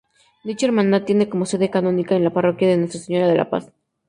Dicha hermandad tiene sede canónica en la Parroquia de Nuestra Señora de la Paz.